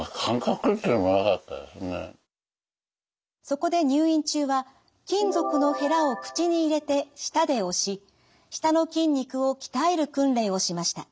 そこで入院中は金属のへらを口に入れて舌で押し舌の筋肉を鍛える訓練をしました。